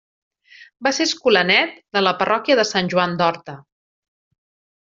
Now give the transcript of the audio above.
Va ser escolanet de la parròquia de Sant Joan d'Horta.